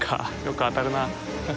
よく当たるな。